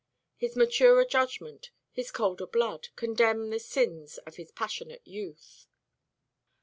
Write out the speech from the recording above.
His maturer judgment, his colder blood, condemn the sins of his passionate youth.